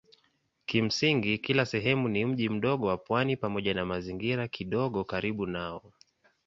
Kimsingi kila sehemu ni mji mdogo wa pwani pamoja na mazingira kidogo karibu nao.